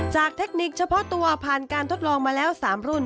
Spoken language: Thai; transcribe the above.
เทคนิคเฉพาะตัวผ่านการทดลองมาแล้ว๓รุ่น